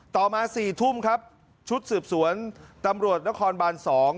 ต่อมา๔ทุ่มครับชุดสืบสวนตำรวจนครบาน๒